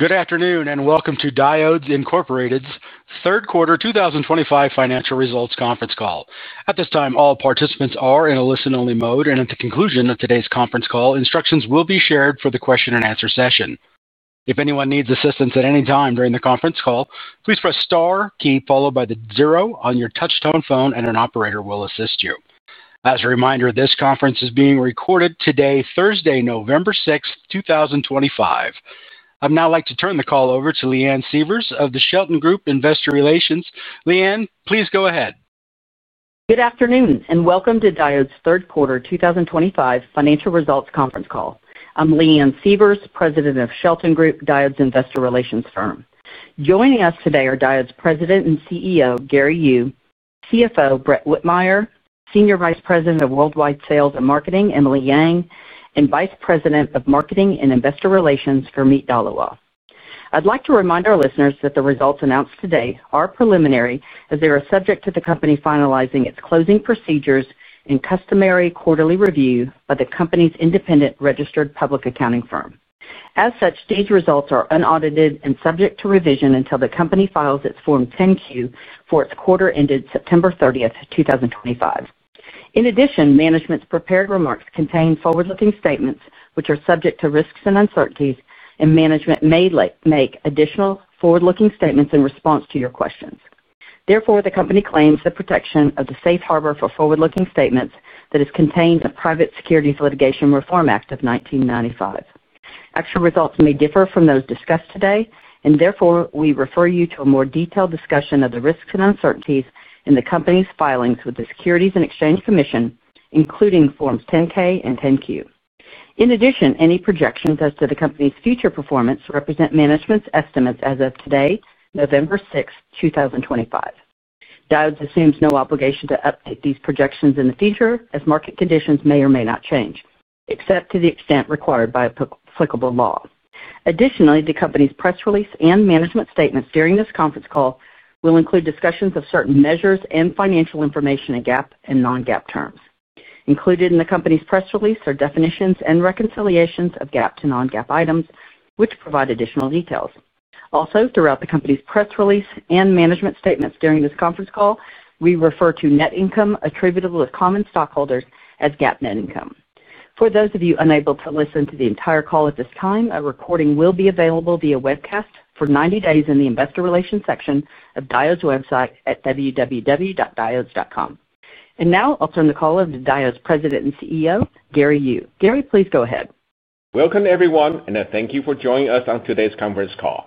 Good afternoon and welcome to Diodes Incorporated's third quarter 2025 financial results conference call. At this time, all participants are in a listen-only mode, and at the conclusion of today's conference call, instructions will be shared for the question-and-answer session. If anyone needs assistance at any time during the conference call, please press the star key followed by the zero on your touch-tone phone, and an operator will assist you. As a reminder, this conference is being recorded today, Thursday, November 6th, 2025. I'd now like to turn the call over to Leanne Sievers of the Shelton Group Investor Relations. Leanne, please go ahead. Good afternoon and welcome to Diodes third quarter 2025 financial results conference call. I'm Leanne Sievers, President of Shelton Group Diodes Investor Relations firm. Joining us today are Diodes President and CEO Gary Yu, CFO Brett Whitmire, Senior Vice President of Worldwide Sales and Marketing Emily Yang, and Vice President of Marketing and Investor Relations for Meet Dhaliwal. I'd like to remind our listeners that the results announced today are preliminary, as they are subject to the company finalizing its closing procedures and customary quarterly review by the company's independent registered public accounting firm. As such, these results are unaudited and subject to revision until the company files its Form 10Q for its quarter ended September 30, 2025. In addition, management's prepared remarks contain forward-looking statements, which are subject to risks and uncertainties, and management may make additional forward-looking statements in response to your questions. Therefore, the company claims the protection of the safe harbor for forward-looking statements that is contained in the Private Securities Litigation Reform Act of 1995. Actual results may differ from those discussed today, and therefore we refer you to a more detailed discussion of the risks and uncertainties in the company's filings with the Securities and Exchange Commission, including forms 10-K and 10-Q. In addition, any projections as to the company's future performance represent management's estimates as of today, November 6th, 2025. Diodes assumes no obligation to update these projections in the future, as market conditions may or may not change, except to the extent required by applicable law. Additionally, the company's press release and management statements during this conference call will include discussions of certain measures and financial information in GAAP and non-GAAP terms. Included in the company's press release are definitions and reconciliations of GAAP to non-GAAP items, which provide additional details. Also, throughout the company's press release and management statements during this conference call, we refer to net income attributable to common stockholders as GAAP net income. For those of you unable to listen to the entire call at this time, a recording will be available via webcast for 90 days in the investor relations section of Diodes' website at www.diodes.com. I will now turn the call over to Diodes President and CEO Gary Yu. Gary, please go ahead. Welcome everyone, and thank you for joining us on today's conference call.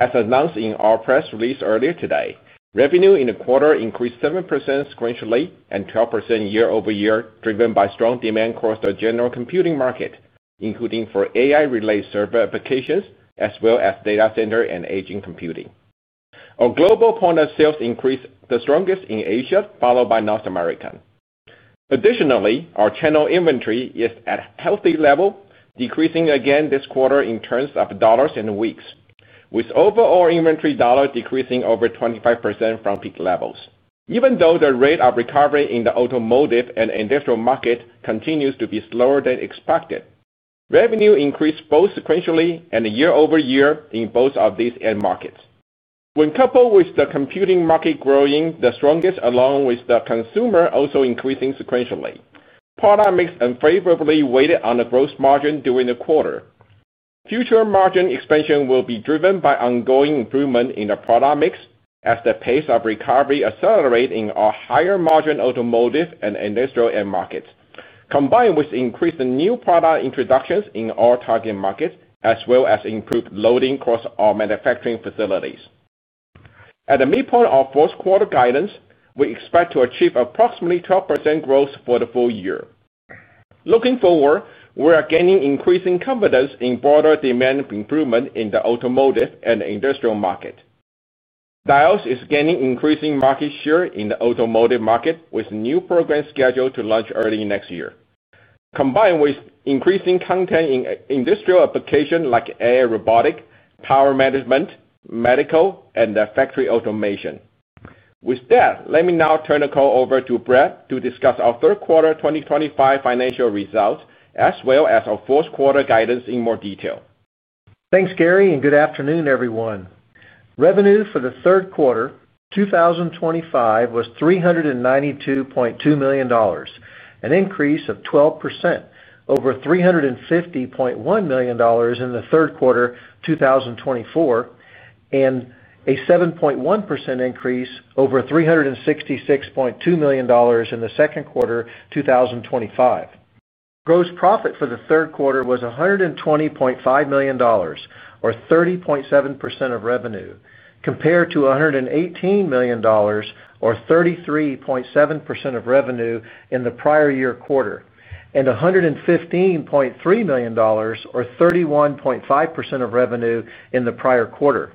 As announced in our press release earlier today, revenue in the quarter increased 7% sequentially and 12% year over year, driven by strong demand across the general computing market, including for AI-related server applications as well as data center and edge computing. Our global point of sales increased the strongest in Asia, followed by North America. Additionally, our channel inventory is at a healthy level, decreasing again this quarter in terms of dollars and weeks, with overall inventory dollars decreasing over 25% from peak levels. Even though the rate of recovery in the automotive and industrial market continues to be slower than expected, revenue increased both sequentially and year over year in both of these end markets. When coupled with the computing market growing the strongest along with the consumer also increasing sequentially, product mix unfavorably weighted on the gross margin during the quarter. Future margin expansion will be driven by ongoing improvement in the product mix, as the pace of recovery accelerates in our higher margin automotive and industrial end markets, combined with increased new product introductions in our target markets, as well as improved loading across our manufacturing facilities. At the midpoint of fourth quarter guidance, we expect to achieve approximately 12% growth for the full year. Looking forward, we are gaining increasing confidence in broader demand improvement in the automotive and industrial market. Diodes is gaining increasing market share in the automotive market, with new programs scheduled to launch early next year, combined with increasing content in industrial applications like air robotics, power management, medical, and factory automation. With that, let me now turn the call over to Brett to discuss our third quarter 2025 financial results, as well as our fourth quarter guidance in more detail. Thanks, Gary, and good afternoon, everyone. Revenue for the third quarter 2025 was $392.2 million, an increase of 12% over $350.1 million in the third quarter 2024. A 7.1% increase over $366.2 million in the second quarter 2025. Gross profit for the third quarter was $120.5 million, or 30.7% of revenue, compared to $118 million, or 33.7% of revenue in the prior year quarter, and $115.3 million, or 31.5% of revenue in the prior quarter.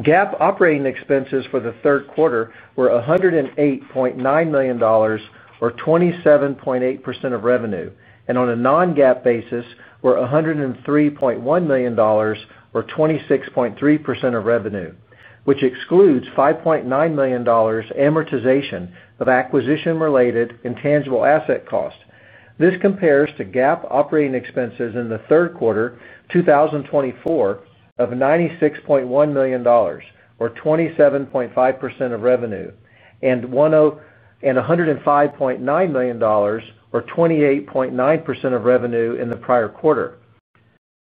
GAAP operating expenses for the third quarter were $108.9 million, or 27.8% of revenue, and on a non-GAAP basis were $103.1 million, or 26.3% of revenue, which excludes $5.9 million amortization of acquisition-related intangible asset cost. This compares to GAAP operating expenses in the third quarter 2024 of $96.1 million, or 27.5% of revenue, and $105.9 million, or 28.9% of revenue in the prior quarter.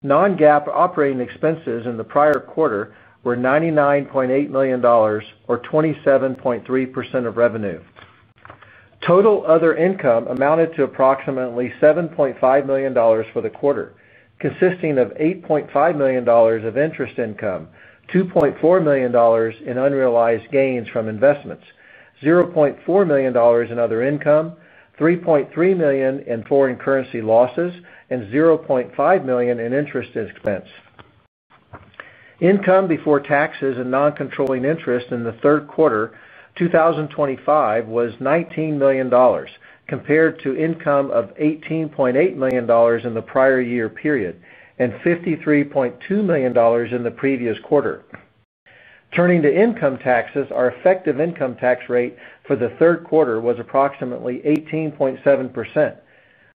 Non-GAAP operating expenses in the prior quarter were $99.8 million, or 27.3% of revenue. Total other income amounted to approximately $7.5 million for the quarter, consisting of $8.5 million of interest income, $2.4 million in unrealized gains from investments, $0.4 million in other income, $3.3 million in foreign currency losses, and $0.5 million in interest expense. Income before taxes and non-controlling interest in the third quarter 2025 was $19 million, compared to income of $18.8 million in the prior year period and $53.2 million in the previous quarter. Turning to income taxes, our effective income tax rate for the third quarter was approximately 18.7%.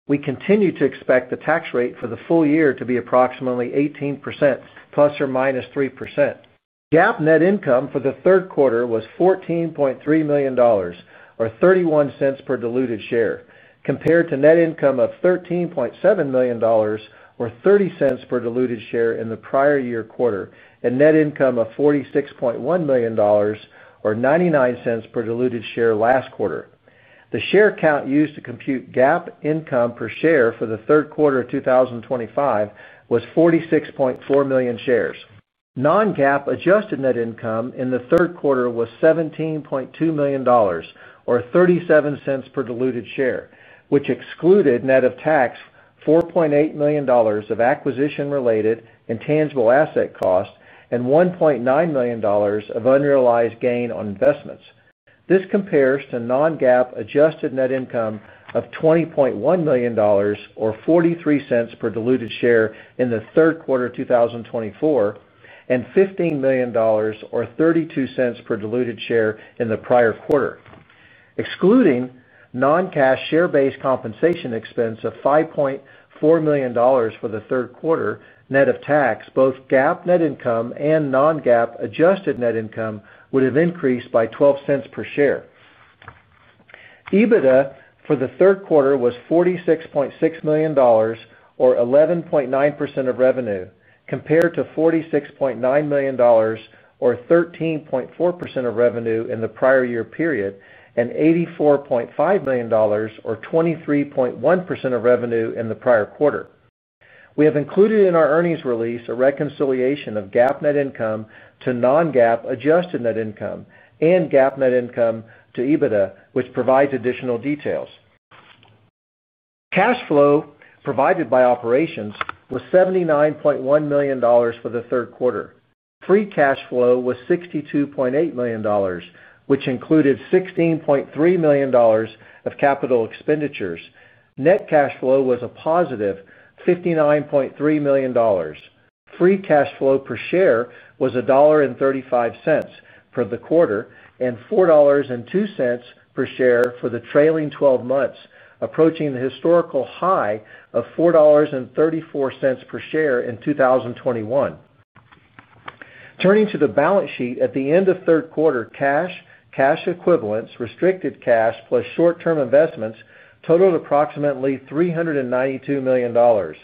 We continue to expect the tax rate for the full year to be approximately 18%, plus or minus 3%. GAAP net income for the third quarter was $14.3 million, or $0.31 per diluted share, compared to net income of $13.7 million, or $0.30 per diluted share in the prior year quarter, and net income of $46.1 million, or $0.99 per diluted share last quarter. The share count used to compute GAAP income per share for the third quarter of 2025 was 46.4 million shares. Non-GAAP adjusted net income in the third quarter was $17.2 million, or $0.37 per diluted share, which excluded net of tax $4.8 million of acquisition-related intangible asset cost and $1.9 million of unrealized gain on investments. This compares to non-GAAP adjusted net income of $20.1 million, or $0.43 per diluted share in the third quarter of 2024, and $15 million, or $0.32 per diluted share in the prior quarter. Excluding non-cash share-based compensation expense of $5.4 million for the third quarter net of tax, both GAAP net income and non-GAAP adjusted net income would have increased by $0.12 per share. EBITDA for the third quarter was $46.6 million, or 11.9% of revenue, compared to $46.9 million, or 13.4% of revenue in the prior year period, and $84.5 million, or 23.1% of revenue in the prior quarter. We have included in our earnings release a reconciliation of GAAP net income to non-GAAP adjusted net income and GAAP net income to EBITDA, which provides additional details. Cash flow provided by operations was $79.1 million for the third quarter. Free cash flow was $62.8 million, which included $16.3 million of capital expenditures. Net cash flow was a positive $59.3 million. Free cash flow per share was $1.35 per quarter and $4.02 per share for the trailing 12 months, approaching the historical high of $4.34 per share in 2021. Turning to the balance sheet, at the end of third quarter, cash, cash equivalents, restricted cash, plus short-term investments totaled approximately $392 million.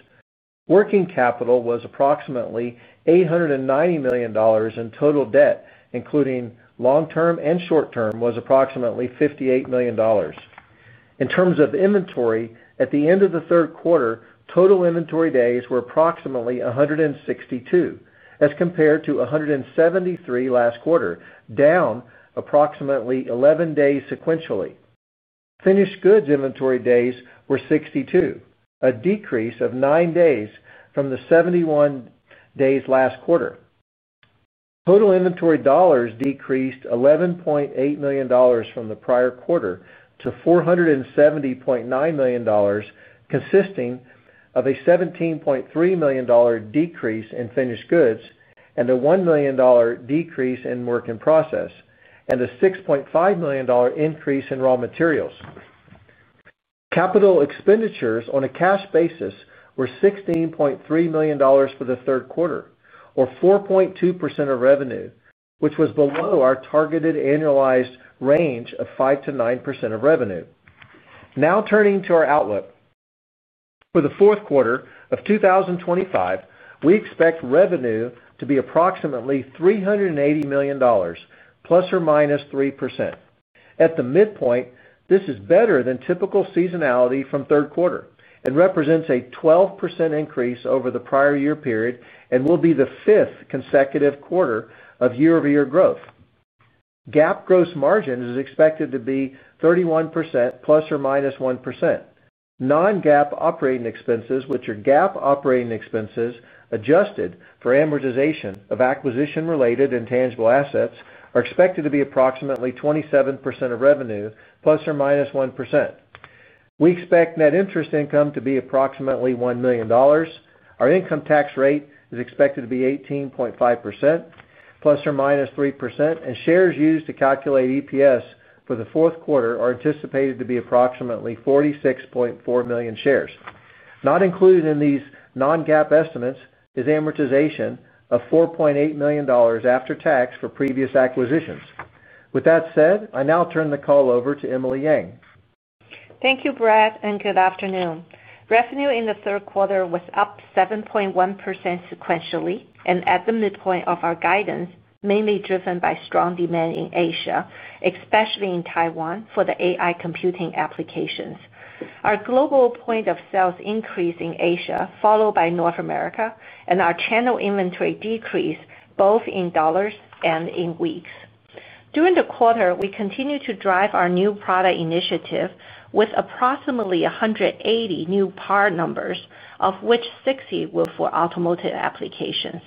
Working capital was approximately $890 million and total debt, including long-term and short-term, was approximately $58 million. In terms of inventory, at the end of the third quarter, total inventory days were approximately 162, as compared to 173 last quarter, down approximately 11 days sequentially. Finished goods inventory days were 62, a decrease of 9 days from the 71 days last quarter. Total inventory dollars decreased $11.8 million from the prior quarter to $470.9 million, consisting of a $17.3 million decrease in finished goods and a $1 million decrease in work in process and a $6.5 million increase in raw materials. Capital expenditures on a cash basis were $16.3 million for the third quarter, or 4.2% of revenue, which was below our targeted annualized range of 5%-9% of revenue. Now turning to our outlook. For the fourth quarter of 2025, we expect revenue to be approximately $380 million, plus or minus 3%. At the midpoint, this is better than typical seasonality from third quarter and represents a 12% increase over the prior year period and will be the fifth consecutive quarter of year-over-year growth. GAAP gross margin is expected to be 31%, plus or minus 1%. Non-GAAP operating expenses, which are GAAP operating expenses adjusted for amortization of acquisition-related intangible assets, are expected to be approximately 27% of revenue, plus or minus 1%. We expect net interest income to be approximately $1 million. Our income tax rate is expected to be 18.5%, plus or minus 3%, and shares used to calculate EPS for the fourth quarter are anticipated to be approximately 46.4 million shares. Not included in these non-GAAP estimates is amortization of $4.8 million after tax for previous acquisitions. With that said, I now turn the call over to Emily Yang. Thank you, Brett, and good afternoon. Revenue in the third quarter was up 7.1% sequentially and at the midpoint of our guidance, mainly driven by strong demand in Asia, especially in Taiwan for the AI computing applications. Our global point of sales increased in Asia, followed by North America, and our channel inventory decreased both in dollars and in weeks. During the quarter, we continue to drive our new product initiative with approximately 180 new part numbers, of which 60 were for automotive applications.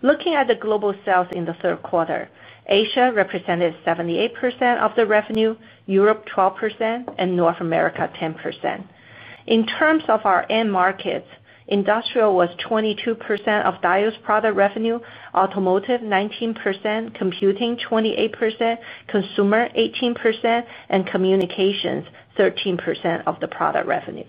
Looking at the global sales in the third quarter, Asia represented 78% of the revenue, Europe 12%, and North America 10%. In terms of our end markets, industrial was 22% of Diodes' product revenue, automotive 19%, computing 28%, consumer 18%, and communications 13% of the product revenue.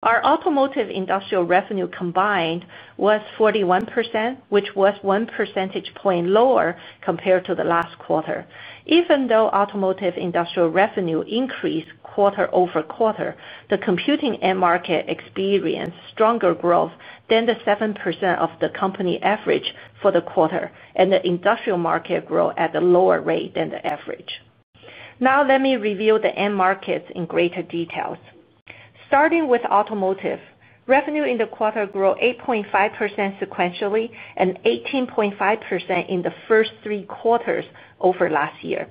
Our automotive industrial revenue combined was 41%, which was one percentage point lower compared to the last quarter. Even though automotive industrial revenue increased quarter over quarter, the computing end market experienced stronger growth than the 7% of the company average for the quarter, and the industrial market grew at a lower rate than the average. Now let me review the end markets in greater detail. Starting with automotive, revenue in the quarter grew 8.5% sequentially and 18.5% in the first three quarters over last year,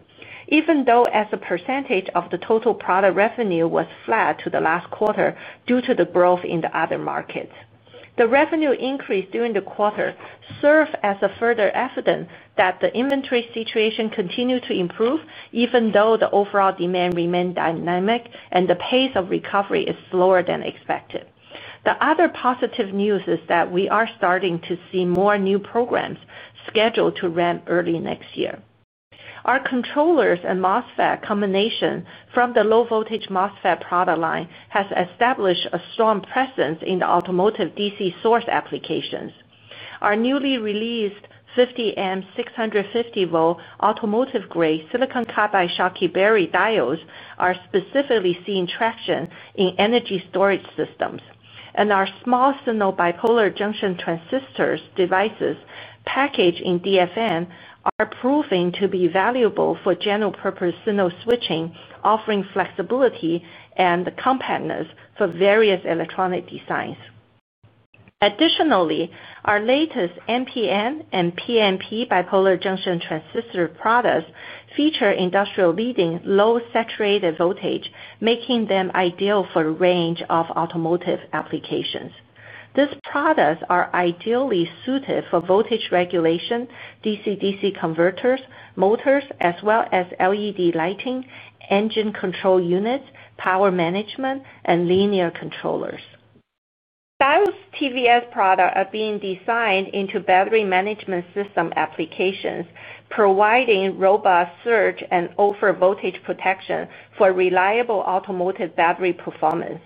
even though as a percentage of the total product revenue was flat to the last quarter due to the growth in the other markets. The revenue increase during the quarter served as further evidence that the inventory situation continued to improve, even though the overall demand remained dynamic and the pace of recovery is slower than expected. The other positive news is that we are starting to see more new programs scheduled to run early next year. Our controllers and MOSFET combination from the low-voltage MOSFET product line has established a strong presence in the automotive DC source applications. Our newly released 50A 650V automotive-grade silicon carbide Schottky Barrier diodes are specifically seeing traction in energy storage systems, and our small SINO bipolar junction transistors devices packaged in DFN are proving to be valuable for general-purpose SINO switching, offering flexibility and compactness for various electronic designs. Additionally, our latest NPN and PNP bipolar junction transistor products feature industry-leading low-saturated voltage, making them ideal for a range of automotive applications. These products are ideally suited for voltage regulation, DC-DC converters, motors, as well as LED lighting, engine control units, power management, and linear controllers. Diodes' TVS products are being designed into battery management system applications, providing robust surge and over-voltage protection for reliable automotive battery performance.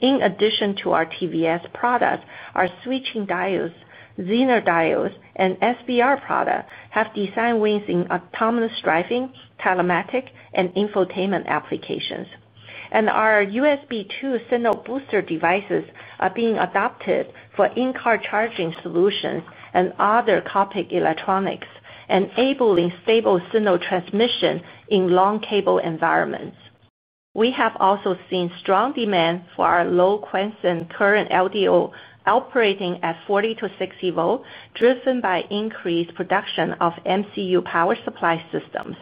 In addition to our TVS products, our switching diodes, Zener diodes, and SBR products have design wins in autonomous driving, telematics, and infotainment applications. Our USB 2.0 signal booster devices are being adopted for in-car charging solutions and other compact electronics, enabling stable signal transmission in long-cable environments. We have also seen strong demand for our low-current LDO operating at 40-60V, driven by increased production of MCU power supply systems.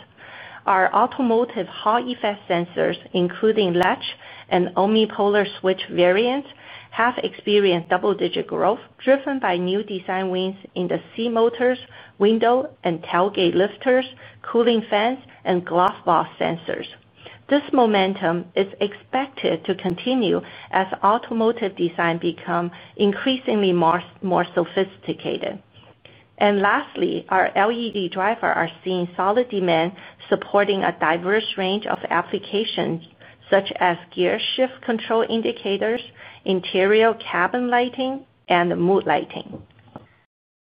Our automotive Hall effect sensors, including latch and omnipolar switch variants, have experienced double-digit growth, driven by new design wins in the seat motors, window and tailgate lifters, cooling fans, and glove box sensors. This momentum is expected to continue as automotive design becomes increasingly more sophisticated. Lastly, our LED drivers are seeing solid demand, supporting a diverse range of applications such as gear shift control indicators, interior cabin lighting, and mood lighting.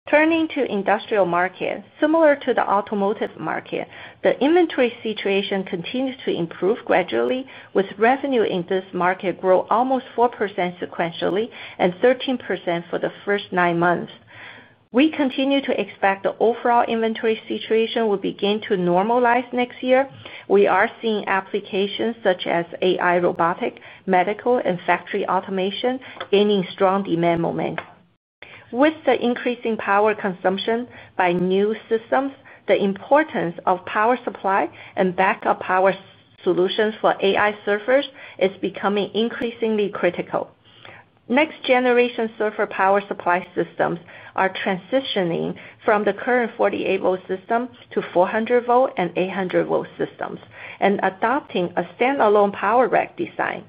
Turning to industrial markets, similar to the automotive market, the inventory situation continues to improve gradually, with revenue in this market growing almost 4% sequentially and 13% for the first nine months. We continue to expect the overall inventory situation will begin to normalize next year. We are seeing applications such as AI robotics, medical, and factory automation gaining strong demand moments. With the increasing power consumption by new systems, the importance of power supply and backup power solutions for AI servers is becoming increasingly critical. Next-generation server power supply systems are transitioning from the current 48V system to 400V and 800V systems and adopting a standalone power rack design.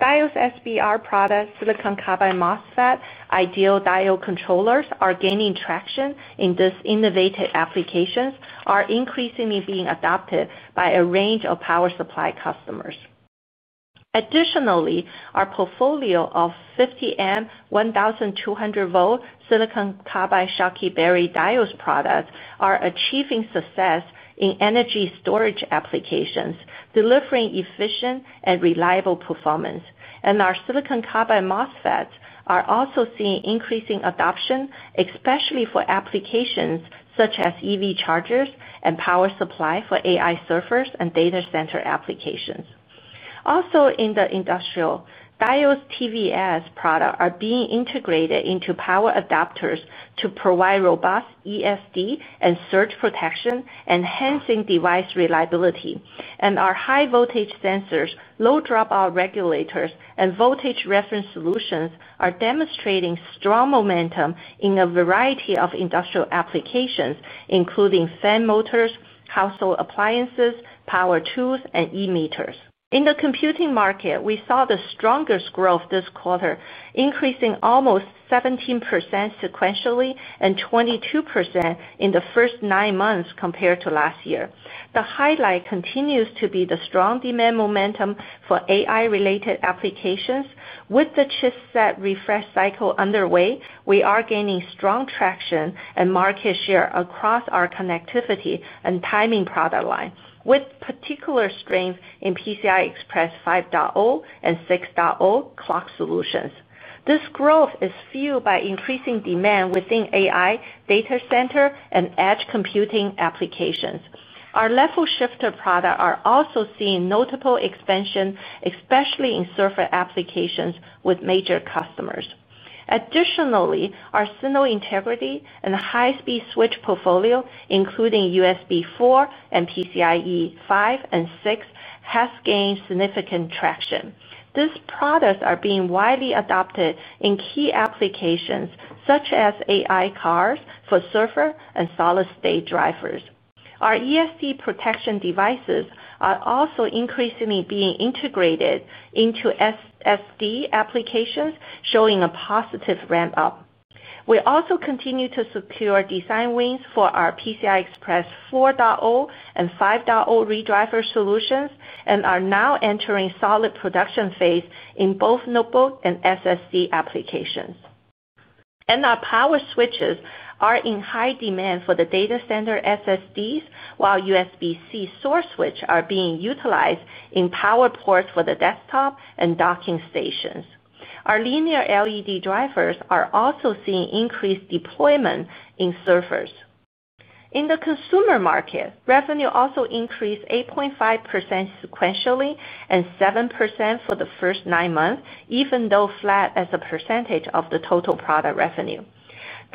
Diodes SBR products, silicon carbide MOSFETs, ideal diode controllers, are gaining traction in these innovative applications and are increasingly being adopted by a range of power supply customers. Additionally, our portfolio of 50A 1200V silicon carbide Schottky Barrier diodes products is achieving success in energy storage applications, delivering efficient and reliable performance. Our silicon carbide MOSFETs are also seeing increasing adoption, especially for applications such as EV chargers and power supply for AI servers and data center applications. In the industrial, Diodes TVS products are being integrated into power adapters to provide robust ESD and surge protection, enhancing device reliability. Our high-voltage sensors, low dropout regulators, and voltage reference solutions are demonstrating strong momentum in a variety of industrial applications, including fan motors, household appliances, power tools, and e-motors. In the computing market, we saw the strongest growth this quarter, increasing almost 17% sequentially and 22% in the first nine months compared to last year. The highlight continues to be the strong demand momentum for AI-related applications. With the chipset refresh cycle underway, we are gaining strong traction and market share across our connectivity and timing product line, with particular strength in PCI Express 5.0 and 6.0 clock solutions. This growth is fueled by increasing demand within AI, data center, and edge computing applications. Our level shifter products are also seeing notable expansion, especially in server applications with major customers. Additionally, our signal integrity and high-speed switch portfolio, including USB 4 and PCIe 5 and 6, has gained significant traction. These products are being widely adopted in key applications such as AI cars for server and solid-state drivers. Our ESD protection devices are also increasingly being integrated into SSD applications, showing a positive ramp-up. We also continue to secure design wins for our PCI Express 4.0 and 5.0 re-driver solutions and are now entering the solid production phase in both notebook and SSD applications. Our power switches are in high demand for the data center SSDs, while USB-C source switches are being utilized in power ports for the desktop and docking stations. Our linear LED drivers are also seeing increased deployment in servers. In the consumer market, revenue also increased 8.5% sequentially and 7% for the first nine months, even though flat as a percentage of the total product revenue.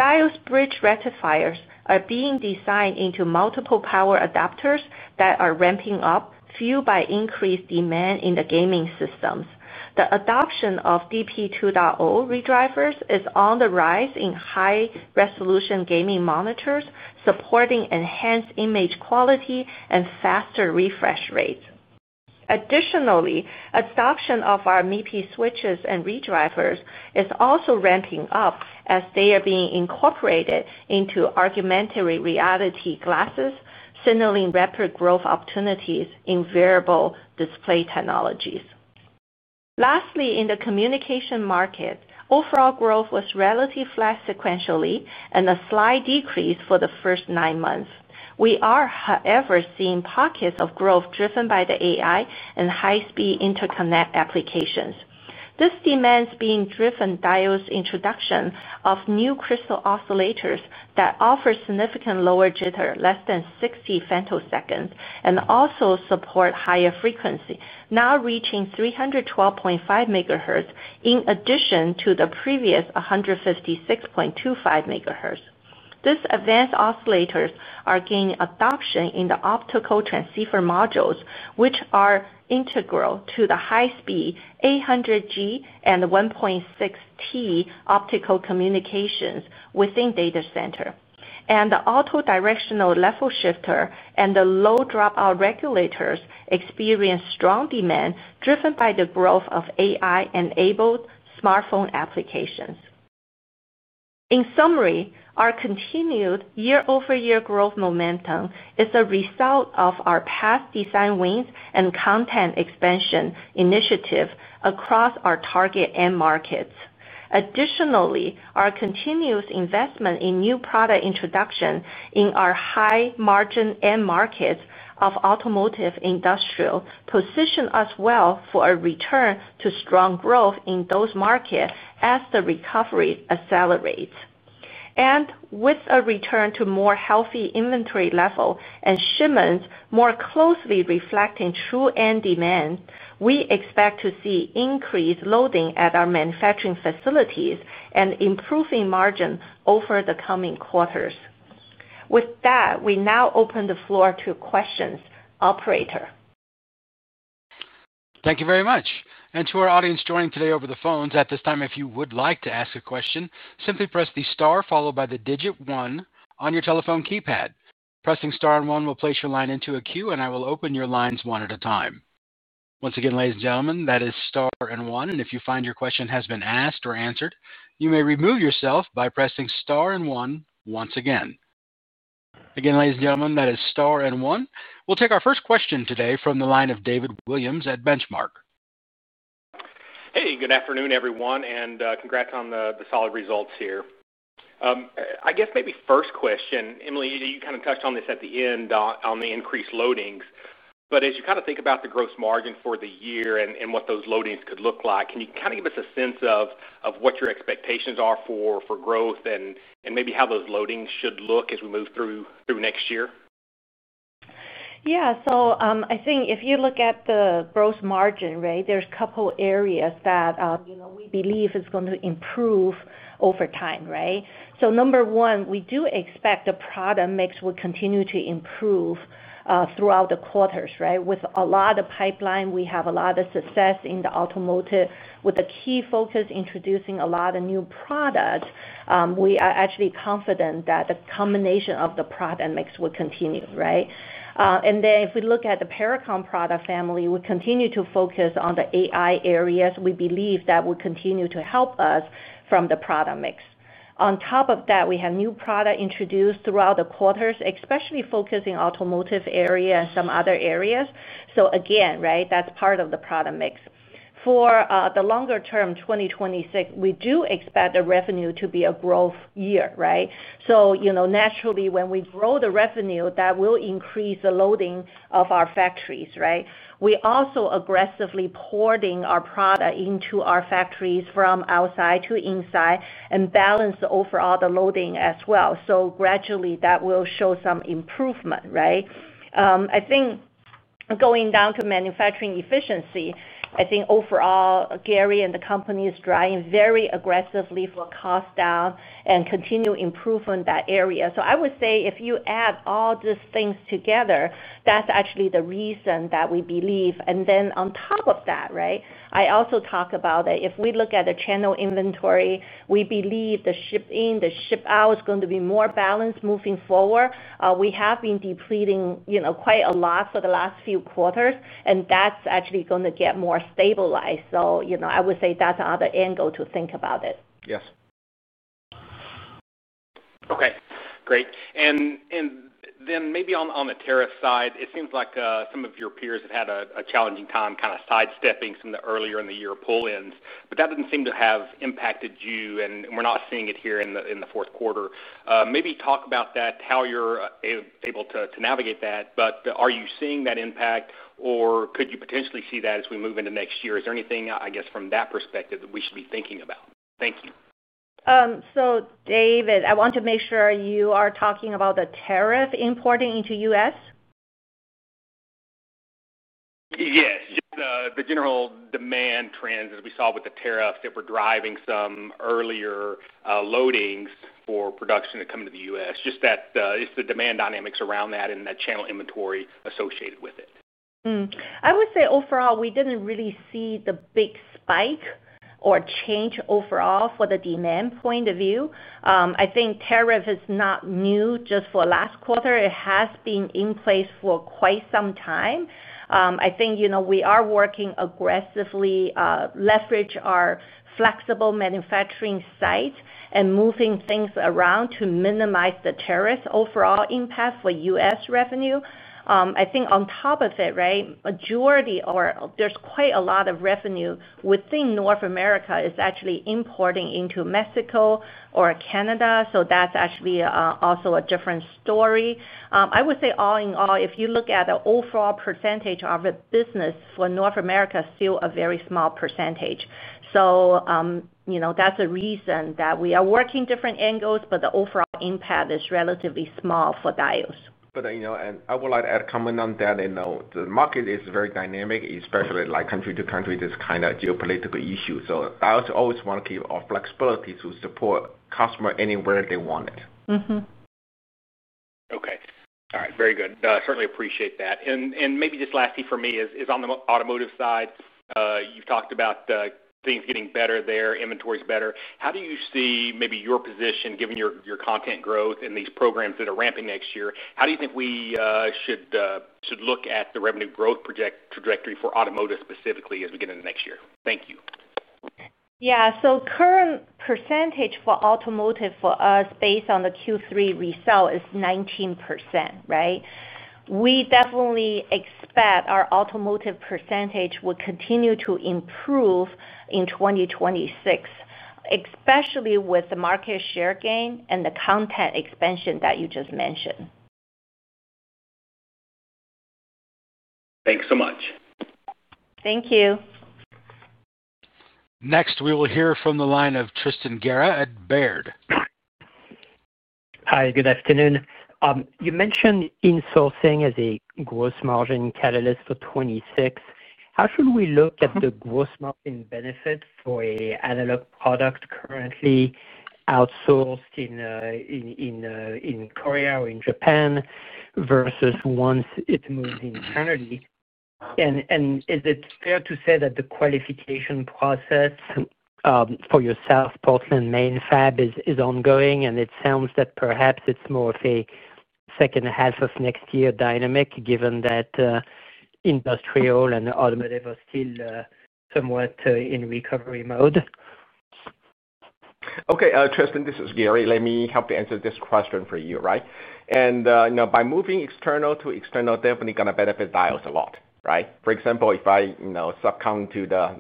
Diodes bridge rectifiers are being designed into multiple power adapters that are ramping up, fueled by increased demand in the gaming systems. The adoption of DP 2.0 re-drivers is on the rise in high-resolution gaming monitors, supporting enhanced image quality and faster refresh rates. Additionally, adoption of our MIPI switches and re-drivers is also ramping up as they are being incorporated into augmented reality glasses, signaling rapid growth opportunities in wearable display technologies. Lastly, in the communication market, overall growth was relatively flat sequentially and a slight decrease for the first nine months. We are, however, seeing pockets of growth driven by the AI and high-speed interconnect applications. This demand is being driven by Diodes' introduction of new crystal oscillators that offer significantly lower jitter, less than 60 femtoseconds, and also support higher frequency, now reaching 312.5 MHz in addition to the previous 156.25 MHz. These advanced oscillators are gaining adoption in the optical transceiver modules, which are integral to the high-speed 800G and 1.6T optical communications within data centers. The auto-directional level shifter and the low dropout regulators experience strong demand, driven by the growth of AI-enabled smartphone applications. In summary, our continued year-over-year growth momentum is a result of our past design wins and content expansion initiatives across our target end markets. Additionally, our continuous investment in new product introductions in our high-margin end markets of automotive industrial positions us well for a return to strong growth in those markets as the recovery accelerates. With a return to more healthy inventory levels and shipments more closely reflecting true end demand, we expect to see increased loading at our manufacturing facilities and improving margins over the coming quarters. With that, we now open the floor to questions, operator. Thank you very much. To our audience joining today over the phones, at this time, if you would like to ask a question, simply press the star followed by the digit one on your telephone keypad. Pressing star and one will place your line into a queue, and I will open your lines one at a time. Once again, ladies and gentlemen, that is star and one. If you find your question has been asked or answered, you may remove yourself by pressing star and one once again. Again, ladies and gentlemen, that is star and one. We'll take our first question today from the line of David Williams at Benchmark. Hey, good afternoon, everyone, and congrats on the solid results here. I guess maybe first question, Emily, you kind of touched on this at the end on the increased loadings. As you kind of think about the gross margin for the year and what those loadings could look like, can you kind of give us a sense of what your expectations are for growth and maybe how those loadings should look as we move through next year? Yeah. I think if you look at the gross margin, there's a couple of areas that we believe is going to improve over time. Number one, we do expect the product mix will continue to improve throughout the quarters. With a lot of pipeline, we have a lot of success in the automotive. With the key focus introducing a lot of new products, we are actually confident that the combination of the product mix will continue. If we look at the Paracon product family, we continue to focus on the AI areas. We believe that will continue to help us from the product mix. On top of that, we have new products introduced throughout the quarters, especially focusing on the automotive area and some other areas. That is part of the product mix. For the longer term, 2026, we do expect the revenue to be a growth year. Naturally, when we grow the revenue, that will increase the loading of our factories. We also aggressively port our product into our factories from outside to inside and balance overall the loading as well. Gradually, that will show some improvement, I think. Going down to manufacturing efficiency, I think overall, Gary and the company are driving very aggressively for cost down and continued improvement in that area. I would say if you add all these things together, that's actually the reason that we believe. On top of that, I also talk about that if we look at the channel inventory, we believe the ship-in, the ship-out is going to be more balanced moving forward. We have been depleting quite a lot for the last few quarters, and that's actually going to get more stabilized. I would say that's another angle to think about it. Yes. Okay. Great. Maybe on the tariff side, it seems like some of your peers have had a challenging time kind of sidestepping some of the earlier-in-the-year pull-ins. That did not seem to have impacted you, and we are not seeing it here in the fourth quarter. Maybe talk about that, how you are able to navigate that. Are you seeing that impact, or could you potentially see that as we move into next year? Is there anything, I guess, from that perspective that we should be thinking about? Thank you. David, I want to make sure you are talking about the tariff importing into the U.S.? Yes. Just the general demand trends that we saw with the tariffs that were driving some earlier loadings for production that come into the U.S. Just the demand dynamics around that and the channel inventory associated with it. I would say overall, we did not really see the big spike or change overall from the demand point of view. I think tariff is not new just for the last quarter. It has been in place for quite some time. I think we are working aggressively, leveraging our flexible manufacturing site and moving things around to minimize the tariff overall impact for U.S. revenue. I think on top of it, majority, or there is quite a lot of revenue within North America is actually importing into Mexico or Canada. That is actually also a different story. I would say all in all, if you look at the overall percentage of the business for North America, still a very small percentage. That is the reason that we are working different angles, but the overall impact is relatively small for Diodes. I would like to add a comment on that. The market is very dynamic, especially country-to-country just kind of geopolitical issues. So Diodes always want to keep our flexibility to support customers anywhere they want it. Okay. All right. Very good. Certainly appreciate that. And maybe just lastly for me is on the automotive side, you've talked about things getting better there, inventories better. How do you see maybe your position, given your content growth and these programs that are ramping next year? How do you think we should look at the revenue growth trajectory for automotive specifically as we get into next year? Thank you. Yeah. So current percentage for automotive for us based on the Q3 result is 19%. We definitely expect our automotive percentage will continue to improve in 2026. Especially with the market share gain and the content expansion that you just mentioned. Thanks so much. Thank you. Next, we will hear from the line of Tristan Gerra at Baird. Hi. Good afternoon. You mentioned insourcing as a gross margin catalyst for 2026. How should we look at the gross margin benefits for an analog product currently outsourced in Korea or in Japan versus once it moves internally? Is it fair to say that the qualification process for your South Portland main fab is ongoing? It sounds that perhaps it is more of a second half of next year dynamic, given that industrial and automotive are still somewhat in recovery mode. Okay. Tristan, this is Gary. Let me help you answer this question for you. By moving external to internal, definitely going to benefit Diodes a lot. For example, if I sub-count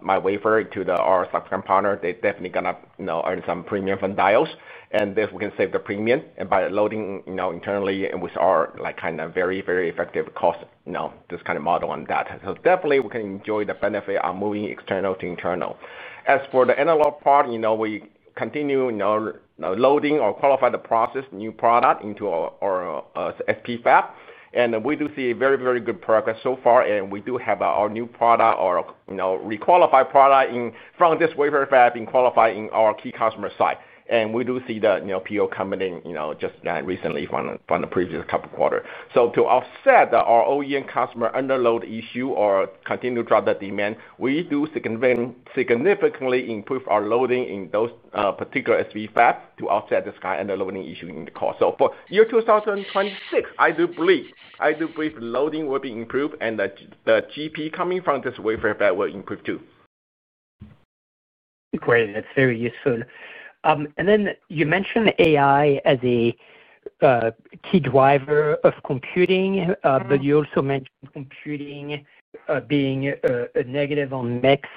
my wafer to our sub-count partner, they are definitely going to earn some premium from Diodes. This will save the premium. By loading internally with our kind of very, very effective cost, this kind of model on that. Definitely, we can enjoy the benefit of moving external to internal. As for the analog part, we continue loading or qualify the process, new product into our SP fab. We do see very, very good progress so far. We do have our new product, our re-qualified product from this wafer fab being qualified in our key customer site. We do see the PO coming in just recently from the previous couple of quarters. To offset our OEM customer underload issue or continue to drive the demand, we do significantly improve our loading in those particular SP fabs to offset this kind of underloading issue in the cost. For year 2026, I do believe loading will be improved, and the GP coming from this wafer fab will improve too. Great. That's very useful. You mentioned AI as a key driver of computing, but you also mentioned computing being a negative on mix.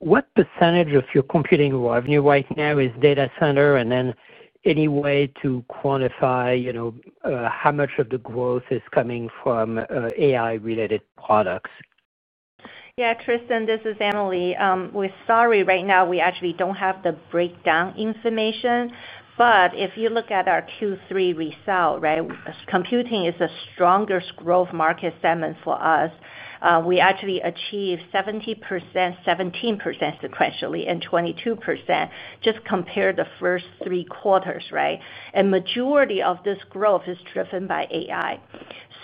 What percentage of your computing revenue right now is data center? Any way to quantify how much of the growth is coming from AI-related products? Yeah. Tristan, this is Emily. We're sorry right now we actually don't have the breakdown information. If you look at our Q3 result, computing is a strongest growth market segment for us. We actually achieved 17% sequentially and 22% just compared to the first three quarters. The majority of this growth is driven by AI.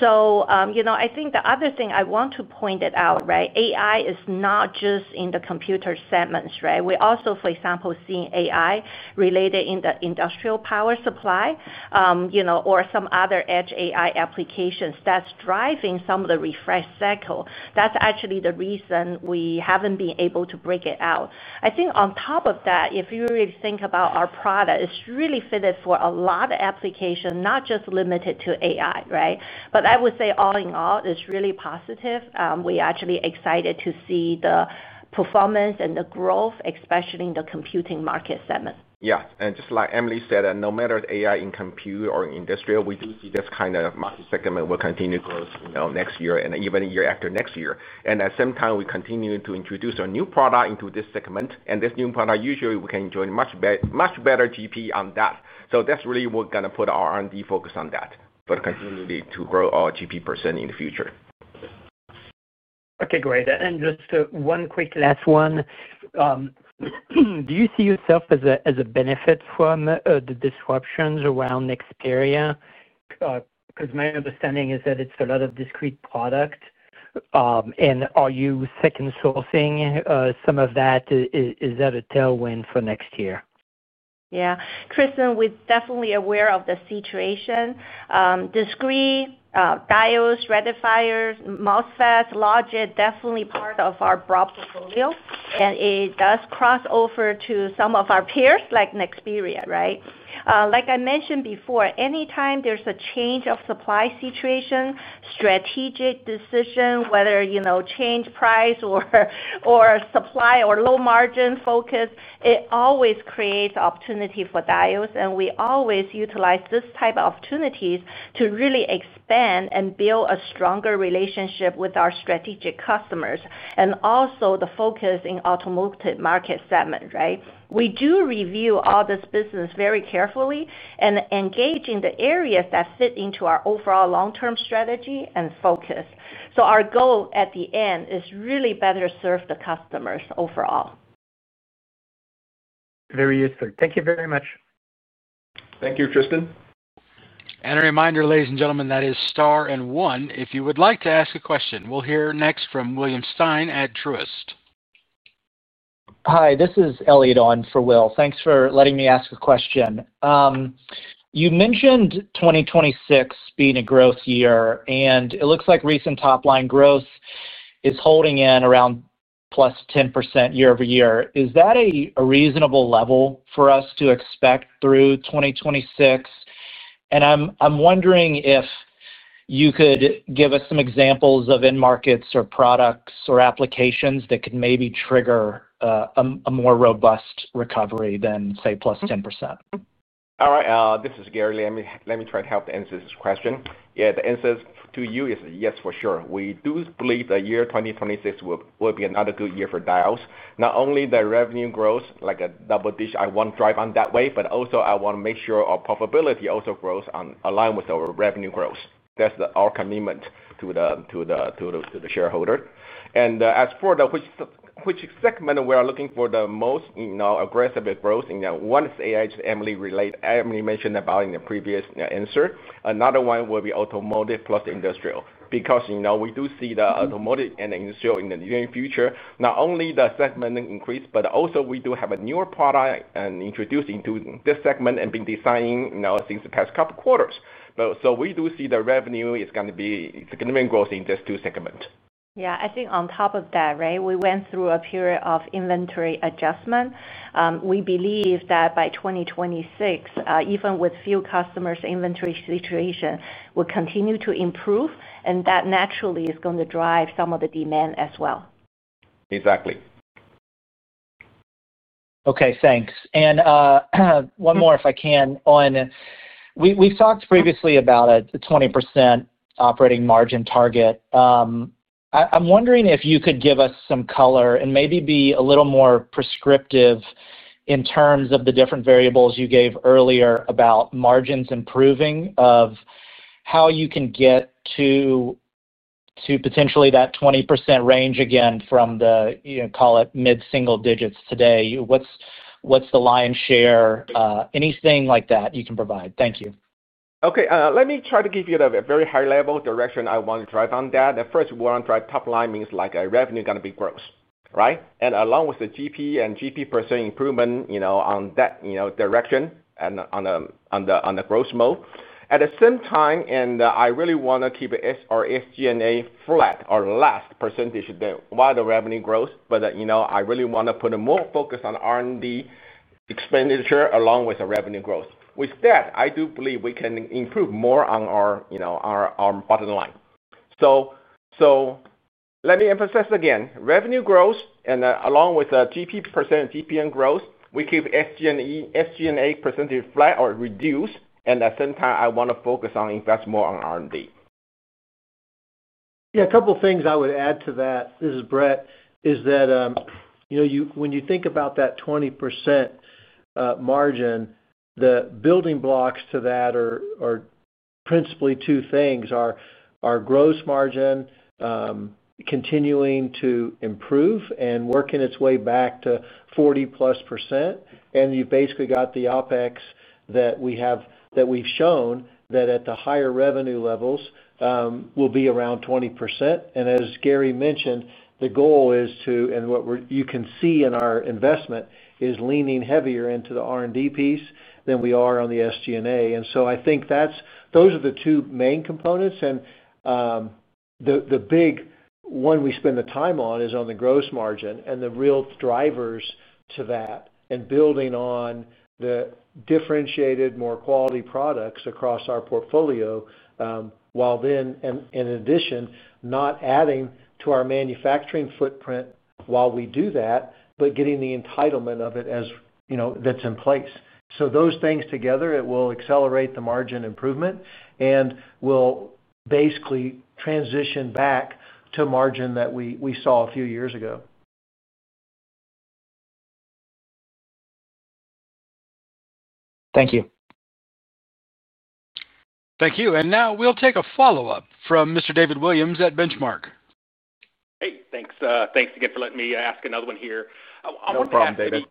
I think the other thing I want to point out, AI is not just in the computer segments. We also, for example, see AI related in the industrial power supply. Or some other edge AI applications that's driving some of the refresh cycle. That's actually the reason we haven't been able to break it out. I think on top of that, if you really think about our product, it's really fitted for a lot of applications, not just limited to AI. But I would say all in all, it's really positive. We're actually excited to see the performance and the growth, especially in the computing market segment. Yeah. And just like Emily said, no matter the AI in compute or in industrial, we do see this kind of market segment will continue to grow next year and even a year after next year. And at the same time, we continue to introduce a new product into this segment. This new product, usually, we can enjoy much better GP on that. That is really what we are going to put our R&D focus on, but continue to grow our GP % in the future. Okay. Great. Just one quick last one. Do you see yourself as a benefit from the disruptions around Xperi? Because my understanding is that it is a lot of discrete product. Are you second sourcing some of that? Is that a tailwind for next year? Yeah. Tristan, we are definitely aware of the situation. Discrete, Diodes, rectifiers, MOSFETs, logic, definitely part of our broad portfolio. It does cross over to some of our peers like Xperi. Like I mentioned before, anytime there is a change of supply situation, strategic decision, whether change price or supply or low margin focus, it always creates opportunity for Diodes. We always utilize this type of opportunities to really expand and build a stronger relationship with our strategic customers and also the focus in automotive market segment. We do review all this business very carefully and engage in the areas that fit into our overall long-term strategy and focus. Our goal at the end is really better serve the customers overall. Very useful. Thank you very much. Thank you, Tristan. A reminder, ladies and gentlemen, that is star and one if you would like to ask a question. We'll hear next from William Stein at Truist. Hi. This is Elliot on for Will. Thanks for letting me ask a question. You mentioned 2026 being a growth year, and it looks like recent top-line growth is holding in around. Plus 10% year over year. Is that a reasonable level for us to expect through 2026? I'm wondering if you could give us some examples of end markets or products or applications that could maybe trigger a more robust recovery than, say, plus 10%. All right. This is Gary. Let me try to help answer this question. Yeah. The answer to you is yes, for sure. We do believe that year 2026 will be another good year for Diodes. Not only the revenue growth, like a double-digit, I want to drive on that way, but also I want to make sure our profitability also grows in line with our revenue growth. That's our commitment to the shareholder. As for which segment we are looking for the most aggressive growth, one is AI, just as Emily mentioned about in the previous answer. Another one will be automotive plus industrial. Because we do see the automotive and industrial in the near future, not only the segment increase, but also we do have a newer product introduced into this segment and been designing since the past couple of quarters. We do see the revenue is going to be significant growth in just two segments. Yeah. I think on top of that, we went through a period of inventory adjustment. We believe that by 2026, even with few customers, inventory situation will continue to improve, and that naturally is going to drive some of the demand as well. Exactly. Okay. Thanks. One more, if I can, on. We've talked previously about a 20% operating margin target. I'm wondering if you could give us some color and maybe be a little more prescriptive in terms of the different variables you gave earlier about margins improving of how you can get to. Potentially that 20% range again from the, call it, mid-single digits today. What's the lion's share? Anything like that you can provide. Thank you. Okay. Let me try to give you the very high-level direction I want to drive on that. The first one, drive top line, means revenue is going to be gross. And along with the GP and GP % improvement on that direction and on the gross mode. At the same time, I really want to keep our SG&A flat or last percentage while the revenue grows, but I really want to put more focus on R&D expenditure along with the revenue growth. With that, I do believe we can improve more on our bottom line. Let me emphasize again, revenue growth, and along with the GP %, GPM growth, we keep SG&A percentage flat or reduced. At the same time, I want to focus on invest more on R&D. Yeah. A couple of things I would add to that, this is Brett, is that when you think about that 20% margin, the building blocks to that are principally two things: our gross margin continuing to improve and working its way back to 40-plus percent. You have basically got the OpEx that we have shown that at the higher revenue levels will be around 20%. As Gary mentioned, the goal is to, and what you can see in our investment is leaning heavier into the R&D piece than we are on the SG&A. I think those are the two main components. The big one we spend the time on is on the gross margin and the real drivers to that and building on the differentiated, more quality products across our portfolio. While then, in addition, not adding to our manufacturing footprint while we do that, but getting the entitlement of it that's in place. So those things together, it will accelerate the margin improvement and will basically transition back to margin that we saw a few years ago. Thank you. Thank you. And now we'll take a follow-up from Mr. David Williams at Benchmark. Hey. Thanks again for letting me ask another one here. No problem, David.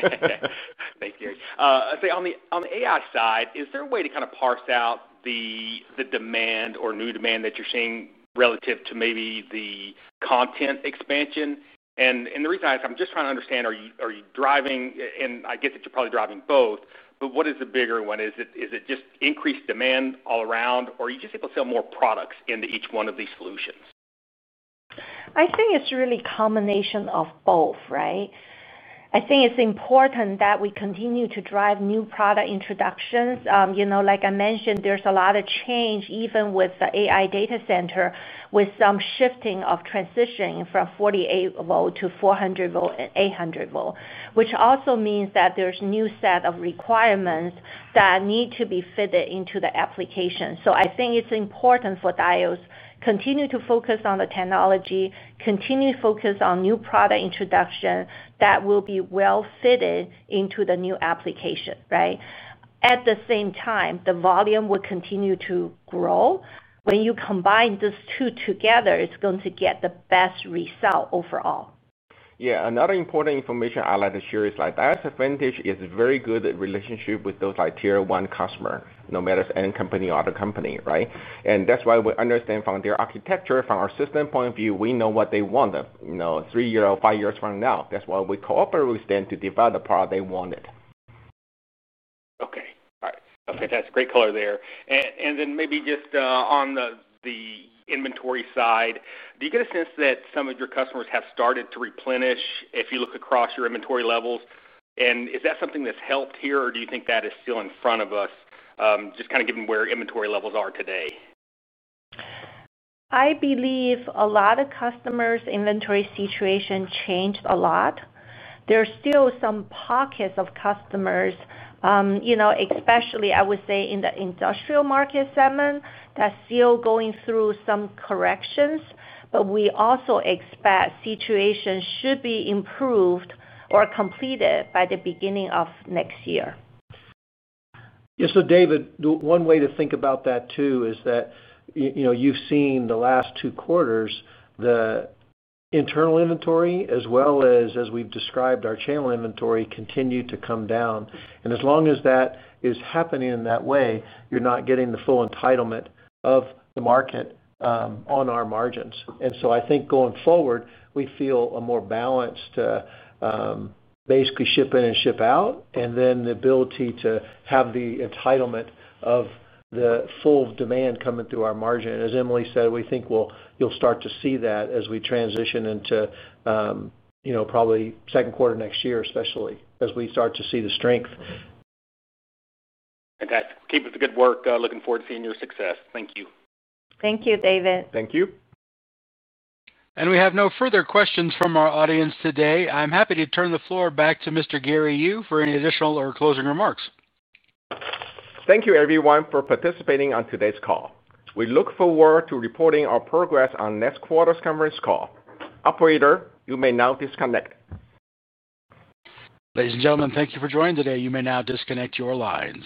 Thanks, Gary. On the AI side, is there a way to kind of parse out the demand or new demand that you're seeing relative to maybe the content expansion? And the reason I ask, I'm just trying to understand, are you driving—and I guess that you're probably driving both—but what is the bigger one? Is it just increased demand all around, or are you just able to sell more products into each one of these solutions? I think it's really a combination of both. I think it's important that we continue to drive new product introductions. Like I mentioned, there's a lot of change, even with the AI data center, with some shifting of transitioning from 48-volt to 400-volt and 800-volt, which also means that there's a new set of requirements that need to be fitted into the application. I think it's important for Diodes to continue to focus on the technology, continue to focus on new product introduction that will be well-fitted into the new application. At the same time, the volume will continue to grow. When you combine these two together, it's going to get the best result overall. Yeah. Another important information I'd like to share is that Diodes' advantage is a very good relationship with those tier-one customers, no matter any company or other company. That is why we understand from their architecture, from our system point of view, we know what they want three years, five years from now. That is why we cooperate with them to develop the product they wanted. Okay. All right. That is a great color there. Maybe just on the inventory side, do you get a sense that some of your customers have started to replenish if you look across your inventory levels? Is that something that has helped here, or do you think that is still in front of us, just kind of given where inventory levels are today? I believe a lot of customers' inventory situation changed a lot. There are still some pockets of customers. Especially, I would say, in the industrial market segment that's still going through some corrections. We also expect situations should be improved or completed by the beginning of next year. Yeah. David, one way to think about that too is that you've seen the last two quarters, the internal inventory, as well as, as we've described, our channel inventory continue to come down. As long as that is happening in that way, you're not getting the full entitlement of the market on our margins. I think going forward, we feel a more balanced, basically ship in and ship out, and then the ability to have the entitlement of the full demand coming through our margin. As Emily said, we think you'll start to see that as we transition into probably second quarter next year, especially as we start to see the strength. Okay. Keep up the good work. Looking forward to seeing your success. Thank you. Thank you, David. Thank you. We have no further questions from our audience today. I'm happy to turn the floor back to Mr. Gary Yu for any additional or closing remarks. Thank you, everyone, for participating on today's call. We look forward to reporting our progress on next quarter's conference call. Operator, you may now disconnect. Ladies and gentlemen, thank you for joining today. You may now disconnect your lines.